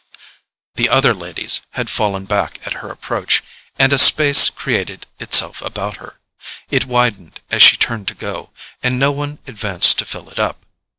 The other ladies had fallen back at her approach, and a space created itself about her. It widened as she turned to go, and no one advanced to fill it up.